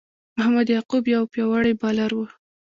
محمد یعقوب یو پياوړی بالر وو.